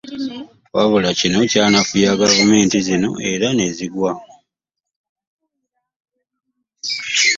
Wabula kino kyanafuya gavumenti zino era ne zigwa.